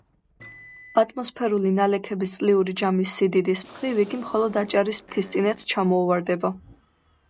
ატმოსფერული ნალექების წლიური ჯამის სიდიდის მხრივ, იგი მხოლოდ აჭარის მთისწინეთს ჩამოუვარდება.